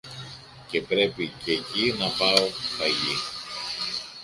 και πρέπει κι εκεί να πάω φαγί